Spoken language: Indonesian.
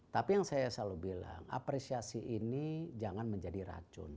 tapi yang saya selalu bilang apresiasi ini jangan menjadi racun